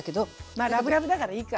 まあラブラブだからいいか。